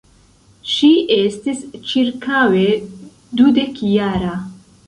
Ŝi estis ĉirkaŭe dudekjara.